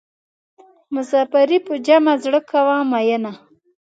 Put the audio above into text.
مسافري په جمع زړه کوه مینه.